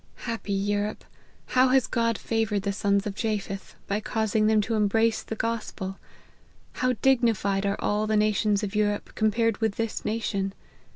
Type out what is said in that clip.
Happy Europe ! how has God favoured the sons of Japheth, by causing them to embrace the gospel ! How dignified are all the nations of Europe compared with this nation